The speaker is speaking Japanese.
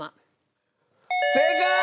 正解！